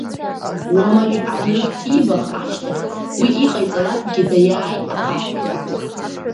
Уамажә анрыхҭибах ашьҭахь, уи иҟаиҵалакгьы даиааит ахаҳә.